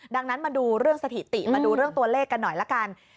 ดังนั้นมาดูเรื่องสถิติมาดูเรื่องตัวเลขกันหน่อยละกัน